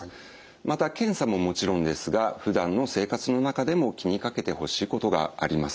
また検査ももちろんですがふだんの生活の中でも気にかけてほしいことがあります。